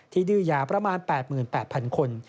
ดื้อยาประมาณ๘๘๐๐๐คน